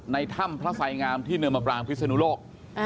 ในถ้ำพระสัยงามที่เนิมปราหมคริสตนุโลก